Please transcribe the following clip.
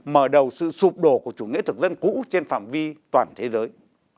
mở đầu sự sụp đổ của chủ nghĩa thực dân cũ trên phạm vi toàn thế giới